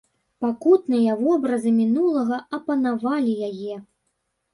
Пакутныя вобразы мінулага апанавалі яе.